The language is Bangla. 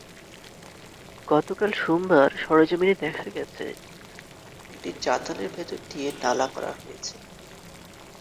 গতকাল সোমবার সরেজমিনে দেখা গেছে, বেশ কয়েকটি চাতালের ভেতর দিয়ে নালা করা হয়েছে।